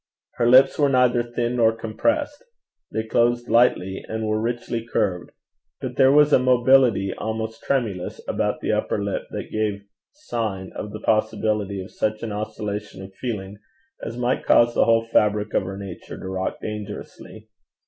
Her lips were neither thin nor compressed they closed lightly, and were richly curved; but there was a mobility almost tremulous about the upper lip that gave sign of the possibility of such an oscillation of feeling as might cause the whole fabric of her nature to rock dangerously.